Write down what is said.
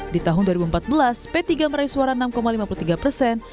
di tahun dua ribu empat belas p tiga meraih suara enam lima puluh tiga persen